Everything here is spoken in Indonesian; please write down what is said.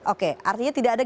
oke artinya tidak ada